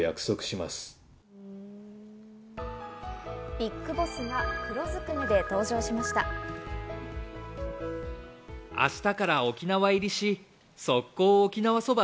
ビッグボスが黒ずくめで登場しました。